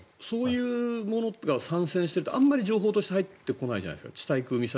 そういうものってあまり情報として入ってこないじゃないですか。